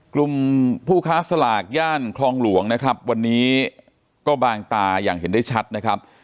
กลุ่มผู้ค้าสลากย่านคลองหลวงนะครับวันนี้ก็บางตาอย่างเห็นได้ชัดนะครับ